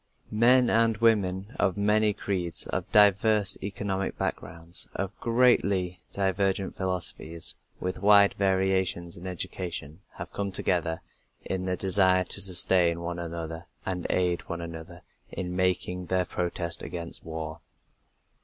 Men and women of many creeds, of diverse economic backgrounds, of greatly divergent philosophies, with wide variations in education, have come together in the desire to sustain one another and aid one another in making their protest against war.